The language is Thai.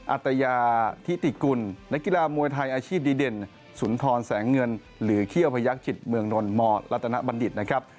อัตยาธิติกุลนักกีฬามวยไทยอาชีพดีเด่นสุนทรแสงเงินหรือเขี้ยวพยักษิตเมืองนนมรัตนบัณฑิตนะครับ